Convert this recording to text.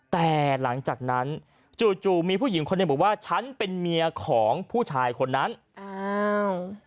แต่หลังจากนั้นจู่จู่มีผู้หญิงคนหนึ่งบอกว่าฉันเป็นเมียของผู้ชายคนนั้นอ้าว